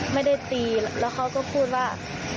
ไม่ได้ตีแล้วเขาก็พูดว่า